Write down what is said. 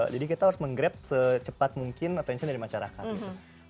jadi kita harus menggrab secepat mungkin attention dari masyarakat gitu